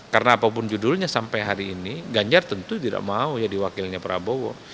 karena apapun judulnya sampai hari ini ganjar tentu tidak mau jadi wakilnya prabowo